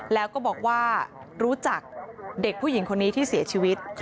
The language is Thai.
แล้วก็บอกว่ารู้จักเด็กผู้หญิงคนนี้ที่เสียชีวิต